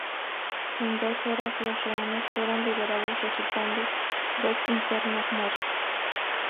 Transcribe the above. En dos horas los rehenes fueron liberados, resultando dos internas muertas.